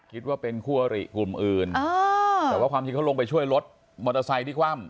คิดว่าเป็นคู่อริกลุ่มอื่นแต่ว่าความจริงเขาลงไปช่วยรถมอเตอร์ไซค์ที่คว่ำ